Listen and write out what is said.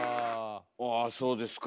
あそうですか。